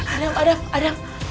adam adam adam